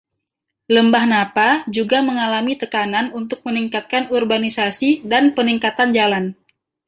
Lembah Napa juga mengalami tekanan untuk meningkatkan urbanisasi dan peningkatan jalan.